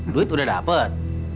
duit udah dapet